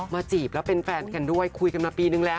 จีบแล้วเป็นแฟนกันด้วยคุยกันมาปีนึงแล้ว